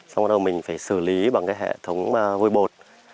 xong rồi mình phải xử lý bằng hệ thống vôi bột